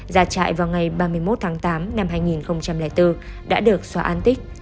ra trại vào ngày ba mươi một tháng tám năm hai nghìn bốn đã được xóa an tích